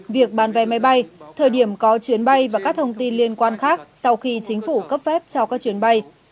việc bán vé máy bay thời điểm có chuyến bay và các thông tin liên quan khác sau khi chính phủ cấp phép cho các chuyến bay